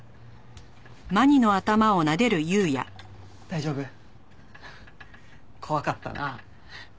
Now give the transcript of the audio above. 大丈夫？怖かったな。